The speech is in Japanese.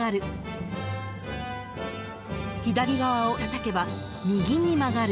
［左側をたたけば右に曲がる］